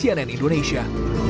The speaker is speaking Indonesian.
tim liputan cnn indonesia